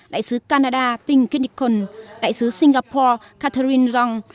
đại sứ canada ping kennikon đại sứ singapore catherine rong